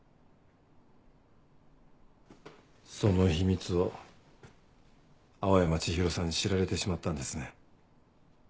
その秘密を青山ちひろさんに知られてしまったんですね。